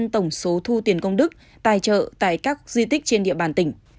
tổng số thu tiền công đức tài trợ tại các di tích trên địa bàn tỉnh